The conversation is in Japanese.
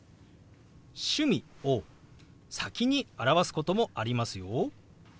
「趣味」を先に表すこともありますよ。